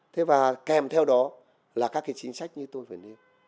thế và kèm theo đó là các cái chính sách như tôi và nghĩa